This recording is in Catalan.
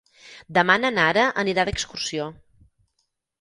Demà na Nara anirà d'excursió.